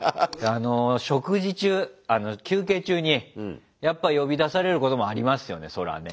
食事中休憩中にやっぱ呼び出されることもありますよねそらあね。